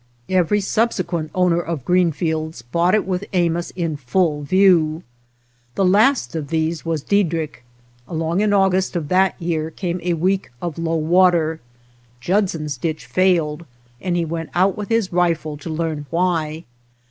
Every subsequent owner of Greenfields bought it with Amos in full view. The last of these was Die drick. Along in August of that year came a week of low water. Judson's ditch failed and he went out with his rifle to learn why.